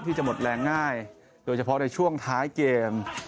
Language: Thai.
ที่จะหมดแรงง่ายโดยเฉพาะในช่วงท้ายเกม